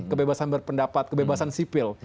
kebebasan berpendapat kebebasan sipil